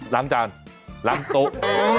ล้างจานล้างโต๊ะ